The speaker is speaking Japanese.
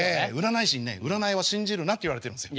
占い師にね占いは信じるなって言われてるんですよ。